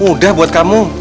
udah buat kamu